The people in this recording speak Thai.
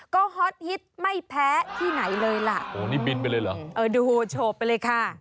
ก็ฮอตฮิตไม่แพ้ที่ไหนเลยล่ะโอ้นี่บินไปเลยเหรอเออดูโฉบไปเลยค่ะ